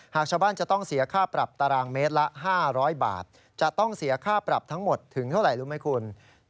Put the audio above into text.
หากชาวบ้านจะต้องเสียค่าปรับตารางเมตรละ๕๐๐บาทจะต้องเสียค่าปรับทั้งหมดถึงเท่าไหร่รู้ไหมคุณ